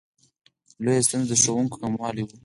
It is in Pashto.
لویه ستونزه د ښوونکو کموالی و.